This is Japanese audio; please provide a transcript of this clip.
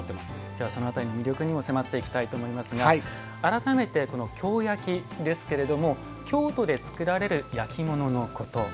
きょうはその辺りの魅力にも迫っていきたいと思いますが改めて、京焼ですけれども京都で作られる焼き物のこと。